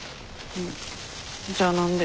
じゃあ何で？